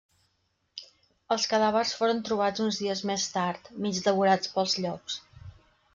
Els cadàvers foren trobats uns dies més tard, mig devorats pels llops.